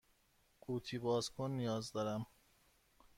قوطی باز کن نیاز دارم.